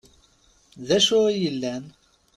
D acu i yellan?